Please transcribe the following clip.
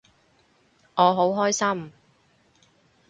我好開心